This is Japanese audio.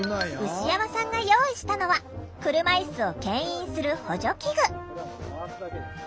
牛山さんが用意したのは車いすをけん引する補助器具。